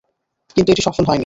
কিন্তু এটি সফল হয়নি।